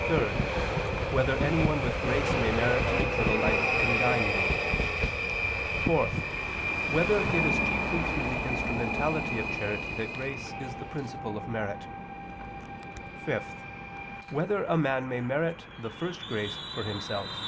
(3) Whether anyone with grace may merit eternal life condignly? (4) Whether it is chiefly through the instrumentality of charity that grace is the principle of merit? (5) Whether a man may merit the first grace for himself?